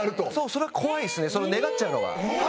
それは怖いですね願っちゃうのが。